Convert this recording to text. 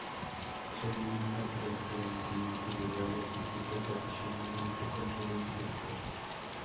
Se alimenta preferentemente de bayas y frutas; adicionalmente consume insectos.